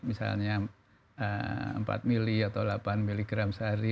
misalnya empat mili atau delapan miligram sehari